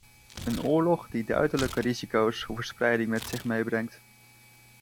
Een oorlog die duidelijke risico's voor verspreiding met zich meebrengt.